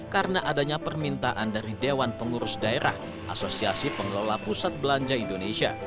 karena adanya permintaan dari dewan pengurus daerah asosiasi pengelola pusat belanja indonesia